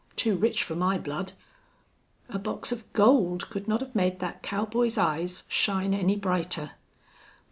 Too rich for my blood!" A box of gold could not have made that cowboy's eyes shine any brighter.